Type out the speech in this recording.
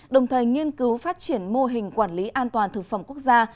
đồng thời nghiên cứu phát triển mô hình quản lý an toàn thực phẩm quốc gia